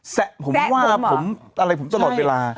แซะผมว่าผมอะไรผมตลอดเวลา